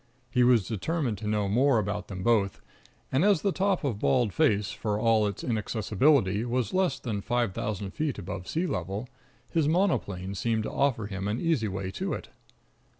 He was determined to know more about them both; and as the top of Bald Face, for all its inaccessibility, was less than five thousand feet above sea level, his monoplane seemed to offer him an easy way to it.